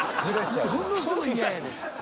ものすごい嫌やねん。